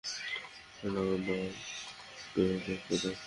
ডঃ বাককে দেখতে দাও।